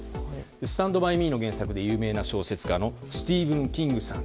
「スタンド・バイ・ミー」の原作で有名な小説家のスティーブン・キングさん